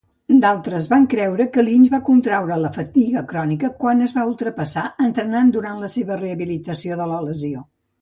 D'altres van creure que Lynch va contraure la fatiga crònica quan es va ultrapassar entrenant durant la seva rehabilitació de la lesió.